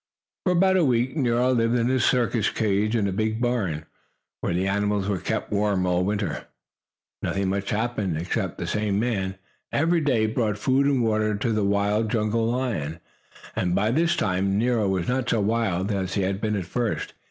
For about a week Nero lived in his circus cage in the big barn, where the animals were kept warm all winter. Nothing much happened, except that the same man, every day, brought food and water to the wild jungle lion. And by this time Nero was not so wild as he had been at first.